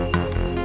aku mau ke sana